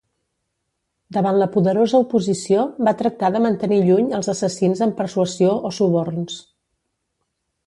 Davant la poderosa oposició, va tractar de mantenir lluny els assassins amb persuasió o suborns.